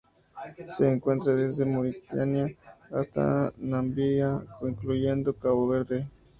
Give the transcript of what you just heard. Se encuentra desde Mauritania hasta Namibia, incluyendo Cabo Verde.